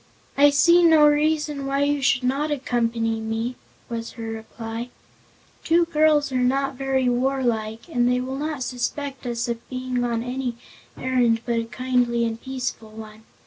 "I see no reason why you should not accompany me," was her reply. "Two girls are not very warlike and they will not suspect us of being on any errand but a kindly and peaceful one.